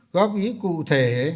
góp ý cụ thể